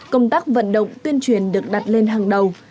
công tác vận động tuyên truyền được đặt lên hàng đầu